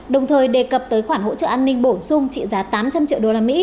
đồng thời đề cập tới khoản hỗ trợ an ninh bổ sung trị giá tám trăm linh triệu usd